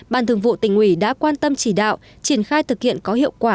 ban thường vụ tỉnh ủy đã quan tâm chỉ đạo triển khai thực hiện có hiệu quả